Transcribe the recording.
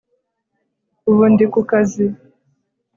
Ubu ndi ku kazi